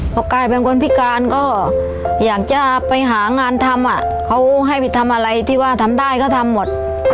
พอกลายเป็นคนพิการก็อยากจะไปหางานทำเขาให้ไปทำอะไรที่ว่าทำได้ก็ทำหมด